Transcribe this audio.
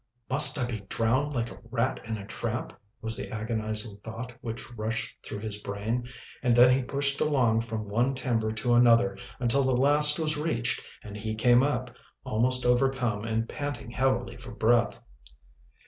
"Must I be drowned like a rat in a trap!" was the agonizing thought which rushed through his brain, and then he pushed along from one timber to another until the last was reached and he came up, almost overcome and panting heavily for breath.